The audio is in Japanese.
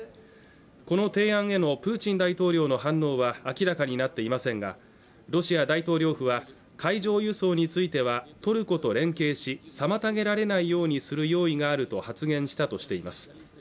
この提案へのプーチン大統領の反応は明らかになっていませんがロシア大統領府は海上輸送についてはトルコと連携し妨げられないようにする用意があると発言したとしています